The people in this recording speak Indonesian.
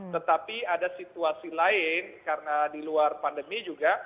tetapi ada situasi lain karena di luar pandemi juga